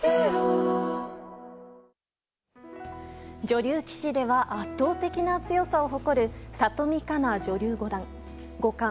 女流棋士では圧倒的な強さを誇る里見香奈女流五冠。